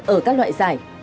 ở các loại giải